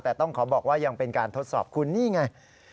แต่ต้องขอบอกว่ายังเป็นการทดสอบคุณนี่ไง